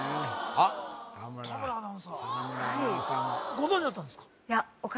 田村アナウンサーはいご存じだったんですか？